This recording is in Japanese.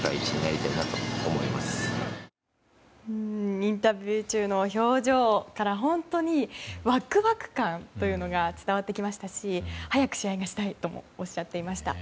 インタビュー中の表情から本当に、ワクワク感というのが伝わってきましたし早く試合がしたいともおっしゃっていました。